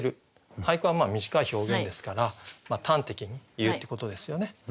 俳句は短い表現ですから端的に言うってことですよね。